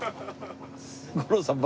五郎さん